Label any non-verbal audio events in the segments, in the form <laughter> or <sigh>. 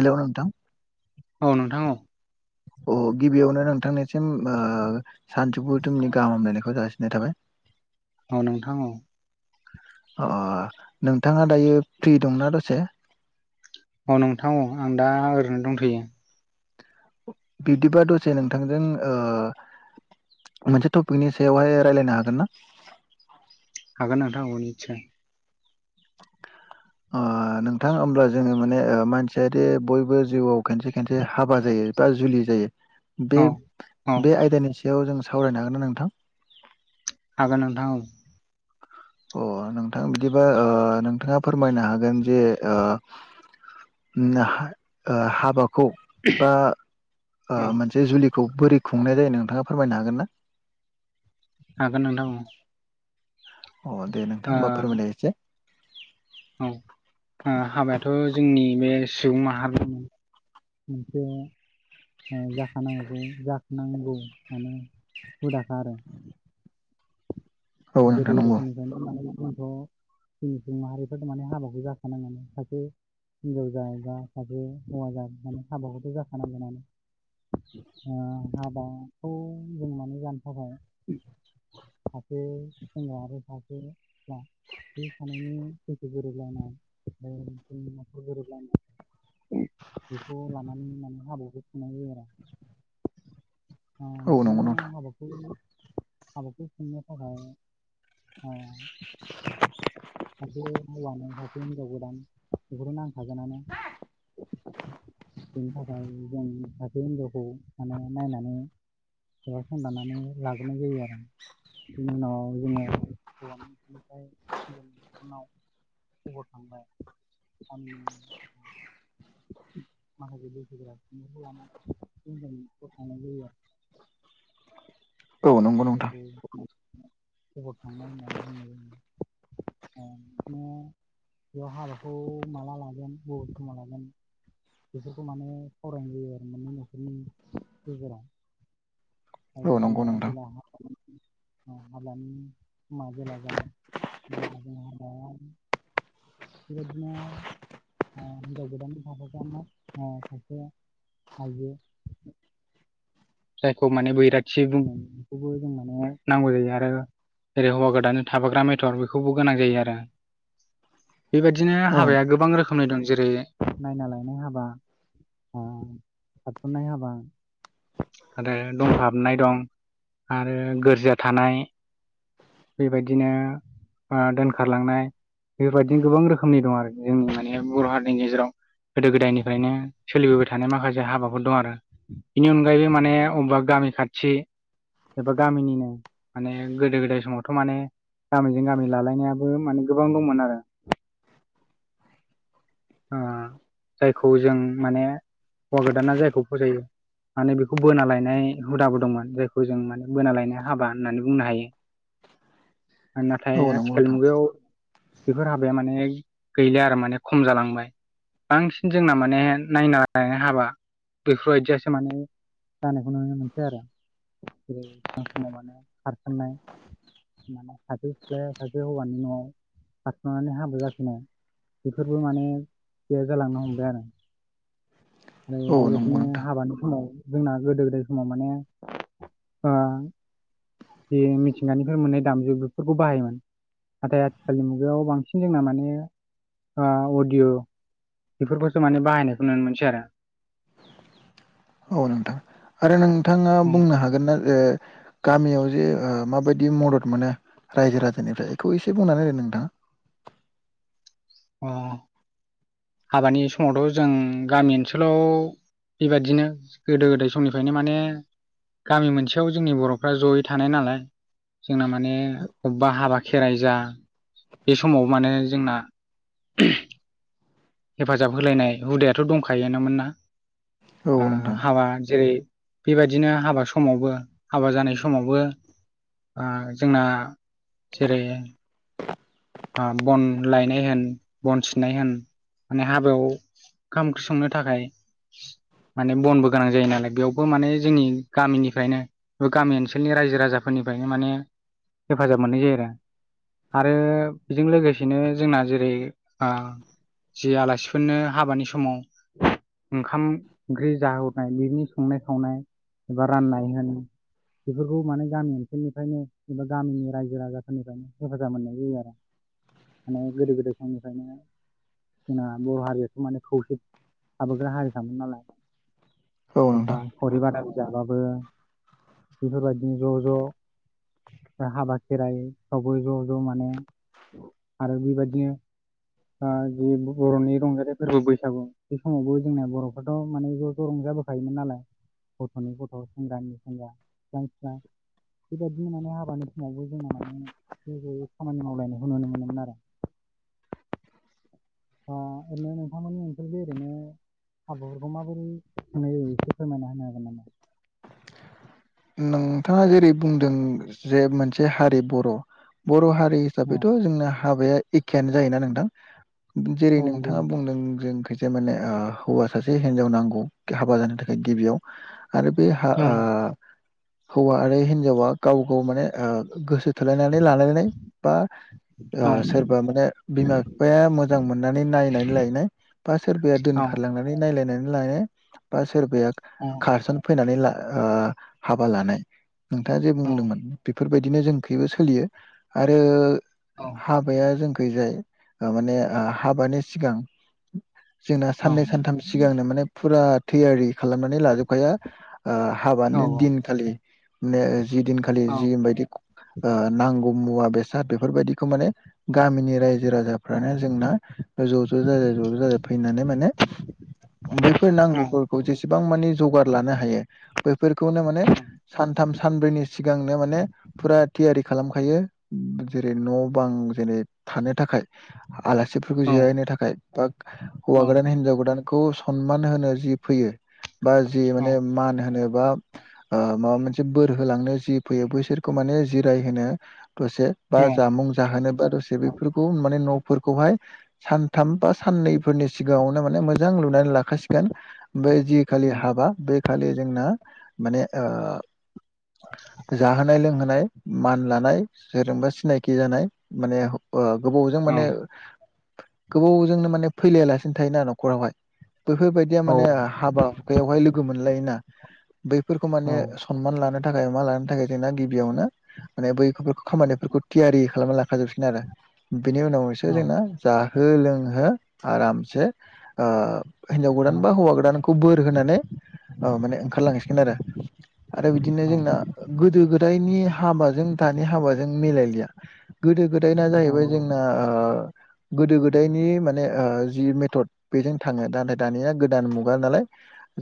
हेल' नोंथां औ नोंथां औ अ गिबियावनो नोंथांनिसिम सान्थिफुरुमनि गाहाम हामलायनायखौ जासिनाय थाबाय। औ नोंथां औ अ नोंथाङा दायो फ्रि दंना दसे अ नोंथां आं दा ओरैनो दंथ'यो बिब्दिबा दसे नोंथांजों मोनसे टपिकनि सायावहाय रायलायनो हागोन ना हागोन नोंथां <inaudible> नोंथाङा होमब्ला जोङो माने मानसिया जे बयबो जिउआव खनसे खनसे हाबा जायो बा जुलि जायो बे औ औ बे आयदानि सायाव जों सावरायनो हागोन ना नोंथां? हागोन नोंथां औ औ अ नोंथां बिदिबा नोंथाङा फोरमायनो हागोन जे ओ हाबाखौ बा औ मोनसे जुलि खौ बोरै खुंनाय जायो नोंथाङा फोरमायनो हागोन ना? हागोन नोंथां औ ओ अ दे नोंथां होमबा फोरमायनायसाय औ हाबायाथ' जोंनि बे सुबुं माहा <unintelligible> हुदाखा आरो <unintelligible> औ नोंथां जोंनि नंगौ सुबुं माहारिफ्रा थारमाने हाबाखौ जाखानागौ सासे हिनजाव जा बा सासे हौवा जा माने हाबाखौथ' जाखानांगोनानो हाबाखौ बुंनानै जानफाबाय <unintelligible> बे सानैनि गोसो गोरोबलायनाय <unintelligible> गोरोबलायनाय बेखौ लानानै माने हाबाखौ खुंनाय जायो आरो। ओ औ नंगौ बिदिनो नोंथां हाबाखौ हाबाखौ खुंनो थाखाय <unintelligible> हिनजाव गोदान बेफोरखौ नांखागोनानो बेनि थाखाय जों सासे हिनजावखौ माने नायनानै एबा संदानानै लाग्रोनाय जायो आरो <unintelligible> बिनि उनाव जोङो हौवानिनिफ्राय हिनजावनि नखरनाव खबर थांबाय गामिनि <unintelligible> माखासे बैसोफोरा सुबुंखौ लानानै थांनाय जायो आरो औ नंगौ नोंथां जायखौ खबर थांनाय होननानै बुंनाय जायो ओ बेखौनो बेयाव हाबाखौ माला लागोन बबे समाव लागोन बेफोरखौ माने सावरायनाय जायो आरो माने नखरनि गेजेराव औ आरो बिदिनो नंगौ नोंथां जेला हा हाबानि समा जेला जायो <unintelligible> बेबायदिनो ओ हिनजाव गोदानजों थाफाग्रा सानसि ओ सासे आइजो जायखौ माने बैराथि बुङो बेखौबो जों माने नांगौ जायो आरो जेरै हौवा गोदानानै थाफाग्रा मेथर बेखौबो गोनां जायो आरो <unintelligible> बेबायदिनो औ औ हाबाया गोबां रोखोमनि दं जेरै नायना लायनाय हाबा आ खारसननाय हाबा आरो दंखा हाबनाय दं आरो गोरजिया थानाय बेबायदिनो आ दोनखारलांनाय बेफोरबायदिनो गोबां रोखोमनि दं आरो जोंनि माने बर' हारिनि गेजेराव गोदो गोदायनिफ्रायनो सोलिबोबाय थानाय माखासे हाबाफोर दं आरो बेनि अनगायै अगायबो माने अबेबा गामि खाथि एबा गामिनिनो माने गोदो गोदाय समावथ' माने गामिजों गामि लालायनायाबो माने गोबां दंमोन आरो <unintelligible> ओ जायखौ जों माने हौवा गोदाना जायखौ फसायो माने बेखौ बोना लायनाय हुदाबो दंमोन जायखौ जों माने बोना लायनो हाबा होननानै बुंनो हायो <inaudible> नाथाय नंगौ आथिखाल नोंथां मुगायाव बेफोर हाबाया माने गैला आरो माने खम जालांबाय बांसिन जोंना माने नायना लायनाय हाबा बेफोरबायदियासो माने जानायखौ नुनो मोनसै आरो जेरै समाव माने खारसननाय माने सायसे सिख्लाया सासे हौवानि न'आव खारसननानै हाबा जाफिनाय बेफोरबो माने गैया जालांनो हमबाय आरो औ आरो नंगौ बेबायदिनो नोंथां हाबानि समाव जोंना गोदो गोदाय समाव माने ओ जि मिथिंगानिफ्राय मोननाय दामजु बेफोरखौ बाहायोमोन नाथाय आथिखालनि मुगायाव बांसिन जोंना माने आ अडिय' बेफोरखौसो माने बाहायनायखौ नुनो मोनसै आरो औ नोंथां आरो नोंथाङा औ बुंनो हागोन ना? जे गामियाव जे ओ माबायदि मदद मोनो रायजो राजानिफ्राय बेखौ एसे बुंनानै होदो नोंथां अ हाबानि समावथ' जों गामि ओनसोलाव बेबायदिनो गोदो गोदाय समनिफ्रायनो माने गामि मोनसेयाव जोंनि बर'फ्रा जयै थानाय नालाय जोंना माने बबेबा हाबा खेराइ जा बे समाव माने जोंना हेफाजाब होलायनाय हुदायाथ' दंखायानोन ना होदो नोंथाङा औ नोंथां हाबा जेरै बेबायदिनो हाबा समावबो हाबा जानाय समावबो जोंना जेरै बन लायनाय होन बन सिननाय होन माने हाबायाव ओंखाम ओंख्रिंनो थाखाय <inaudible> माने बनबो गोनां जायो नालाय बेयावबो माने जोंनि गामिनिफ्रायनो बा गामि ओनसोलनि रायजो राजाफोरनि निफ्रायनो माने हेफाजाब मोननाय जायो आरो आरो बेजों लोगोसेनो जोंना जेरै जि आलासिफोरनो हाबानि समाव ओंखाम ओंख्रि जाहोबनाय बेनि संनाय खावनाय एबा राननाय होन बेफोरखौ माने गामि ओनसोलनिफ्रायनो एबा गामिनि रायजो राजाफोरनिफ्रायनो हेफाजाब मोननाय जायो आरो माने गोदो गोदाय समनिफ्रायनो जोंना बर' हारियाथ' माने खौसे थाबोग्रा हारि मोन नालाय औ नोंथां एखमबा सरि बादा जाबाबो बेफोरबायदिनो ज' ज' हाबा खेराइफ्रावबो ज' ज' माने आरो बेबायदिनो <inaudible> बे बर'नि रंजाानाय फोरबो बैसागु बे समावबो जोंनाया बर'फ्राथ' माने ज' ज' रंजाबोखायोमोन नालाय गथ'नि गथ' सेंग्रानि सेंग्रा बिफा बिफा बेबायदिनो माने हाबानि समावबो जोंना माने ज जयै खामानि मावलायनायखौ नुनो मोनोमोन आरो <inaudible> ओरैनो नोंथांमोननि ओन्सोलथिं ओरैनो हाबाफोरखौ माबोरै होनाय जायो एसे फोरमायना होनो हागोन नामा? नोंथाङा जेरै बुंदों जे मोनसे हारि बर' बर' हारि औ हिसाबैथ' जोंना हाबाया एखेआनो जायोना नोंथां जेरै औ नंगौ नोंथाङा बुंदों जों से माने हौवा सासे हिनजाव नांगौ हाबा जानो थाखाय गिबियाव आरो बे औ हौवा आरो हिन्जावा गाव गाव माने गोसो थोलायनानै लालायनाय बा औ सोरबा माने बिमा बिफाया मोजां मोननानै नायनानै लायनाय बा सोरबाया औ दोनखारलांनानै नायलायनानै सोरबाया औ खारसन फैनानै हाबा लानाय नोंथाङा जे औ बुंदोंमोन बेफोरबायदिनो जोंखबो सोलियो आरो औ हाबाया जोंखैजाय माने हाबानि सिगां जोंना औ साननै सानथाम सिगांनो माने फुरा थैयारि खालामनानै लाजोबखाया औ हाबानि दिनखालि जि दिनखालि औ जिबायदि नांगौ मुवा बेसाद बेफोरबायदिखौ माने गामिनि रायजो औ राजाफ्रानो जोंना ज' ज' जाय ज' ज' जाय फैनानै माने बैफोर औ नांगौफोरखौ जेसेबां माने जगार लानो हायो बेैफोरखौनो माने सानथाम सानब्रैनि सिगांनो माने फुरा थियारि खालामखायो जेरै न' बां जेरै थानो थाखाय आलासिफोरखौ औ जिरायनो थाखाय बा हौवा गोदान हिनजाव गोदान बे खौ सनमान होनो जि फैयो बा जि माने मान होनो बा माबा मोनसे बोर होलांनो जि फैयो बैसोरखौ माने जिरायहोनो दसे बा जामुं जाहोनोबा दसे बेफोरखौ माने न' फोरखौहाय सानथाम बा साननैफोरनि सिगाङावनो माने मोजां लुनानै लाखासिगोन। बे जि खालि हाबा बे खालि जोंना माने जाहोनाय लोंहोनाय मान लानाय सोरजोंबा सिनायखि जानाय माने गोबावजों माने गोबावजोंनो माने फैलायालासिनो थायोना न'खरावहाय बेफोरबायाददिया माने हाबा हुखायावहाय लोगो मोनलायोना बैफोरखौ माने सनमान लानो थाखाय मा लानो थाखाय जोंना गिबियावनो माने बैफोरखौ खामानिफोरखौ थियारि खालाम ला होखाजोबसिगोन आरो बिनि उनावसो जोंना जाहो लोंहो आरामसे ओ हिनजाव गोदान बा हौवा गोदान खौ बोर होनानै ओ माने ओंखारलांसिगोन आरो आरो बिदिनो जोंना गोदो गो नि हाबाजों दानि हाबाजों मिलायलिया गोदो गोदायना जाहैबाय जोंना गोदो गोदायनि माने जि थद बेजों थाङो दा नाथाय दानिया गोदान मुगा नालाय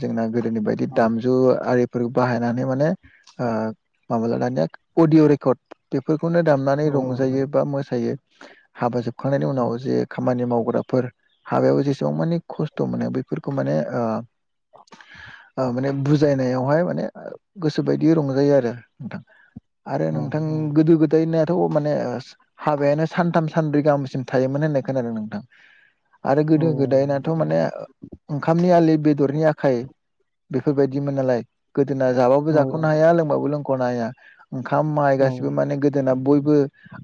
जोंना गोदोनि बायदि दाम आरिफोर बाहायनानै माने ओ माबाला दानिया अदिअ' रेकर्द बेफोर खौनो दामनानै औ रंजायो बा मोसायो हाबा जोबखांनायनि औ उनाव जे खामानि माव ग्राफोर हाबायाव जेसेबां मानि खस्थ' मोनो बैफोरखौ माने अ माने बु बुजायनायावहाय माने गोसो बायदि रंजायो आरो नोंथां आरो नोंथां गोदो-गोदायनि माने हाबायानो सानथाम सानब्रै गाहामसिम थायोमोन होननाय खोनादों नोंथां। आरो गोदो गोदायनाथ' माने ओंखामनि आलि बेदरनि आखाइ बेफोरबायदि बिदिमोन नालाय गोदोना जाबाबो जाख'नो हाया लोंबाबो लोंख'नो हाया। ओंखाम माइ गासिबो माने गोदोना बयबो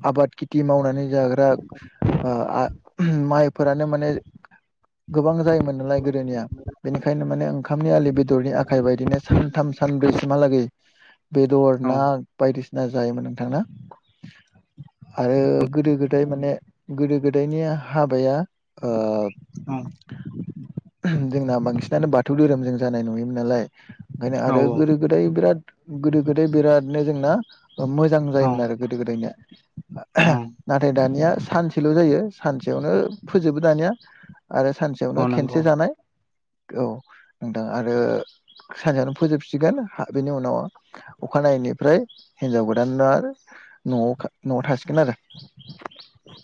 आबाद खिति मावनानै जाग्रा ओ आ माइफोरानो माने गोबां जायोमोन नालाय गोदोनिया बेनिखायनो माने ओंखामनि आलि बेदरनि आख खाइ बायदिनो सानथाम सानब्रैसिमहालागै बेदर, ना बायदिसिना ना जायोमोन नोंथांना आरो गोदो गोदाय माने गोदो गोदायनि हाबाया ओ जोंना बांसिनानो बाथौ धोरोमजों जानाय नुयोमोन नालाय। ओंखायनो आरो गोदो गोदाय बिराद गोदो गोदाय बिरादनो जोंना मोजां जायोमोन आरो गोदो गोदायनिया नाथाय दानिया सानसेल' जायो सानसेयावनो फोजोबो दानिया आरो सानसेयावनो खेनसे नंगौ जानाय औ नोंथां आरो सानसेयावनो फोजोबसिगोन बेनि उनाव अखानायैनिफ्राय हिनजाव गोदान आरो न'वाव न'वाव थासिगोन आरो।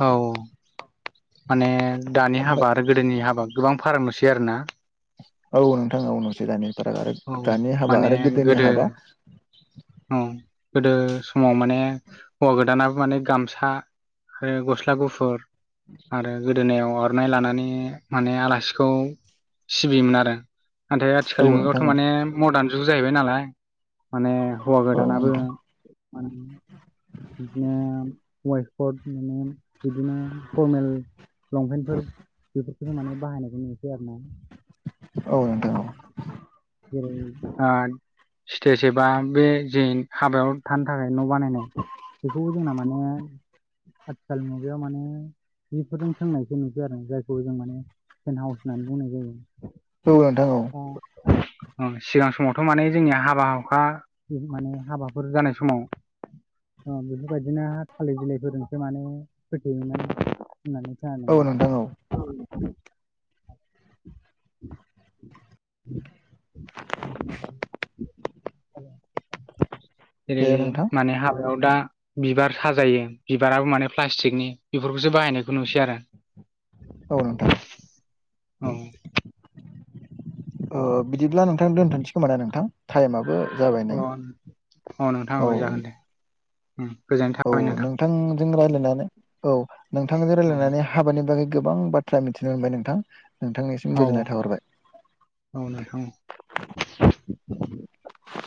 औ माने दानि हाबा ओमफ्राय आरो गोदोनि हाबा गोबां फारागनुसै आरोना? औ नोंथां औ नुसै दानि फाराग आरो औ दानि हाबा माने आरो गोदोनि गोदो हाबा औ गोदो समाव माने हौवा गोदाना माने गामसा आरो गस्ला गुफुर आरो गोदोनायाव आरो र'नाय लानानै माने आलासिखौ सिबियोमोन आरो। नाथाय औ आथिखालनि नोंथां मुगायावथ' औ माने मदार्न जुग जाहैबाय नालाय माने हौवा औ गोदानाबो नोंथां मान बिदिनो वाइफड माने बिदिनो फर्मेल लंपेन्टफोर बेफोरखौसो माने बाहायनायखौ नुसै आरो ना। औ अ नोंथां जेरै ओ स्टेज एबा बे जे हाबायाव थानो थाखाय न' बानायनाय बेखौबो जोंना माने आथिखाल मुगायाव माने बेफोरजों सोंनायसो नुसै आरो जायखौ जों माने टेन हाउस होननानै बुंनाय जायो। औ नोंथां औ। सिगां समावथ' माने जोंनिया हाबा-हुखा माने हाबाफोर जानाय समाव अ बेफोरबायदिनो थालिर बिलाइफोरजोंसो माने फोथेयोमोनना। औ नोंथां औ <unintelligible> <inaudible> <inaudible> जेरै हेलौ नोंथां माने हाबा दा बिबार साजायो बिबाराबो माने प्लास्टिकनि। बेफोरखौसो बाहायनायखौ नुसै आरो। औ नोंथां औ। ओ बिदिब्ला नोंथां दोनथ'नोसै खोमा नोंथां टाइमाबो। जाबाय अ नै अ नोंथाङा औ अ जागोन दे गोजोननाय थाखाबाय नोंथां। जों रायलायनानै औ नोंथांजों औ रायलायनानै हाबानि बागै गोबां बाथ्रा मिथिनो मोनबाय नोंथां। नोंथांनिसिम औ गोजोननाय थाहरबाय औ दे। नोंथां औ <inaudible>